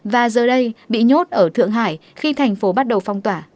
và giờ đây bị nhốt ở thượng hải khi thành phố bắt đầu phong tỏa